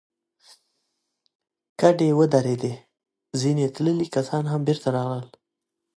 کډې ودرېدې، ځينې تللي کسان هم بېرته راغلل.